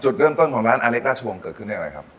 จุดเริ่มต้นของร้านอเล็กราชวงศ์เกิดขึ้นได้อะไรครับ